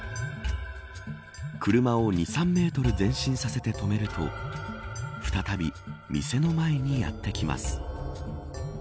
車を２、３メートル前進させて止めると再び店の前にやって来ます。